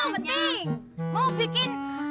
orang penting mau bikin